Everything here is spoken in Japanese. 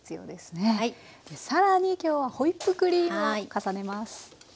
更に今日はホイップクリームを重ねます。